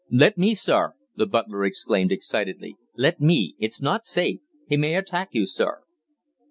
"Let me, sir!" the butler exclaimed excitedly, "let me it's not safe he may attack you, sir!"